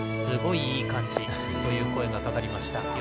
すごいいい感じという声が掛かりました。